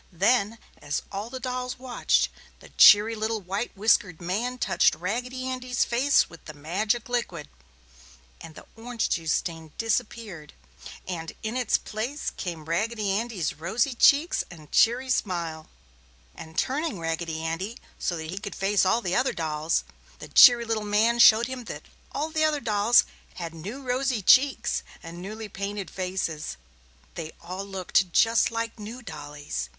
Then, as all the dolls watched, the cheery little white whiskered man touched Raggedy Andy's face with the magic liquid, and the orange juice stain disappeared, and in its place came Raggedy Andy's rosy cheeks and cheery smile. [Illustration: Santa repairs Raggedy Andy] And, turning Raggedy Andy so that he could face all the other dolls, the cheery little man showed him that all the other dolls had new rosy cheeks and newly painted faces. They all looked just like new dollies.